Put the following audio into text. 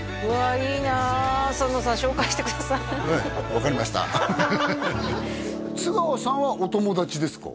いいな笹野さん紹介してくださいええ分かりました津川さんはお友達ですか？